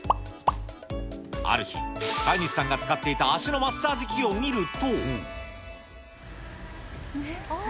ある日、飼い主さんが使っていた足のマッサージ機を見ると。